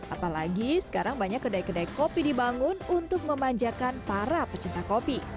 apalagi sekarang banyak kedai kedai kopi dibangun untuk memanjakan para pecinta kopi